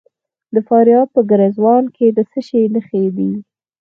د فاریاب په ګرزوان کې د څه شي نښې دي؟